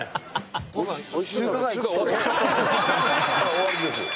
「終わりですよ」